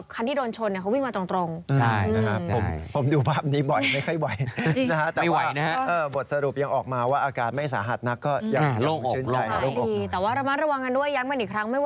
คันที่โดนชนเขาวิ่งมาตรง